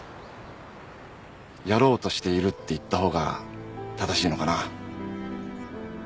やろうとしているって言ったほうが正しいのかな。